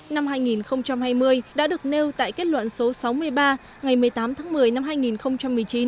năm hai nghìn hai mươi đã được nêu tại kết luận số sáu mươi ba ngày một mươi tám tháng một mươi năm hai nghìn một mươi chín